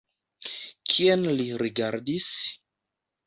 Kien li rigardis?